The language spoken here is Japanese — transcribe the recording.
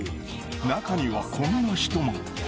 中にはこんな人も。